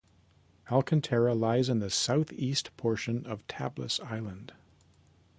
Alcantara lies in the southeast portion of Tablas Island.